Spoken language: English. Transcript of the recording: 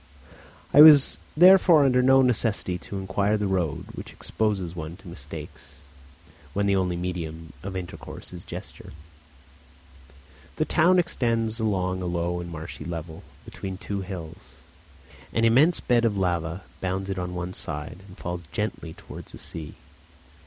I was therefore under no necessity to inquire the road, which exposes one to mistakes when the only medium of intercourse is gesture. The town extends along a low and marshy level, between two hills. An immense bed of lava bounds it on one side, and falls gently towards the sea.